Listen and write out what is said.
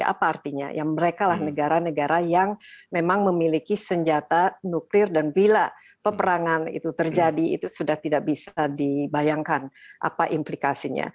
apa artinya ya mereka lah negara negara yang memang memiliki senjata nuklir dan bila peperangan itu terjadi itu sudah tidak bisa dibayangkan apa implikasinya